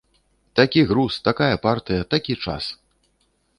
Такі груз, такая партыя, такі час!